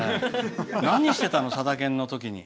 何してたの、さだ研のときに。